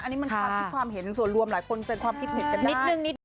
อันนี้มันความเห็นส่วนรวมหลายคนเสร็จความคิดเห็นกันได้